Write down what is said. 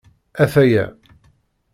Ataya.